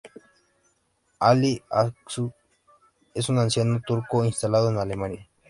Ali Aksu es un anciano turco instalado en Alemania.